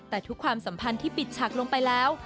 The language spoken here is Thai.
แต่ทุกความสัมพันธ์ที่ปิดฉากลงไปแล้ว